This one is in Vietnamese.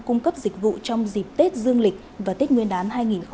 cung cấp dịch vụ trong dịp tết dương lịch và tết nguyên đán hai nghìn hai mươi